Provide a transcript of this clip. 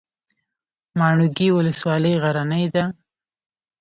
ماڼوګي ولسوالۍ غرنۍ ده؟